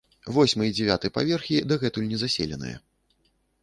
Восьмы і дзевяты паверхі дагэтуль незаселеныя.